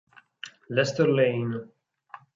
Lester Lane